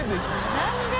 何で？